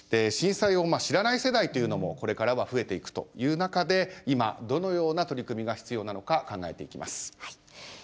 震災を知らない世代っていうのもこれからは増えていくという中で今どのような取り組みが必要なのか考えていきます。